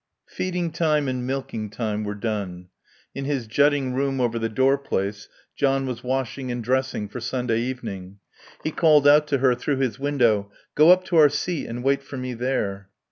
V Feeding time and milking time were done; in his jutting room over the door place John was washing and dressing for Sunday evening. He called out to her through his window, "Go up to our seat and wait for me there."